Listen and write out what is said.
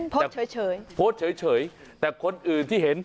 โพสต์เฉยโพสต์เฉยแต่คนอื่นที่เห็น